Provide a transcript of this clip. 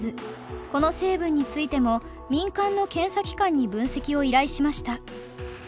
この成分についても民間の検査機関に分析を依頼しました。